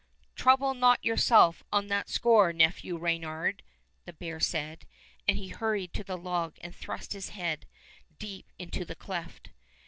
"Trouble not yourself on that score. Nephew Reynard," the bear said, and he hurried to the log and thrust his head deep into the cleft.